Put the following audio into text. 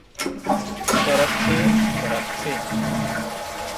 করাচ্ছি, করাচ্ছি।